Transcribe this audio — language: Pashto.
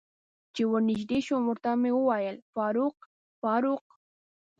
چې ور نږدې شوم ورته مې وویل: فاروق، فاروق.